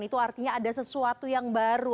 itu artinya ada sesuatu yang baru